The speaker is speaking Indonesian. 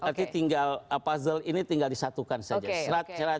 berarti tinggal puzzle ini tinggal disatukan saja